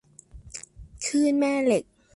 คลื่นแม่เหล็ก